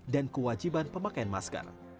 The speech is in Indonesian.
dan kewajiban pemakaian masker